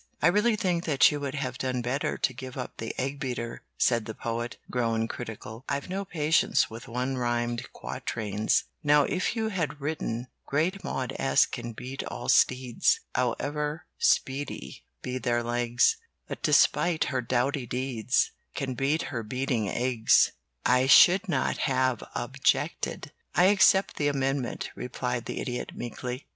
"I really think that you would have done better to give up the egg beater," said the Poet, grown critical. "I've no patience with one rhymed quatrains. Now if you had written: "Great Maude S. can beat all steeds, However speedy be their legs; But despite her doughty deeds; I can beat her beating eggs, "I should not have objected." "I accept the amendment," replied the Idiot, meekly.